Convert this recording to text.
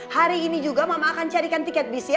hari ini juga mama akan carikan tiket bis ya